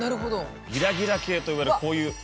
ギラギラ系といわれるこういう。